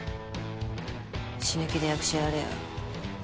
死ぬ気で役者やれよ。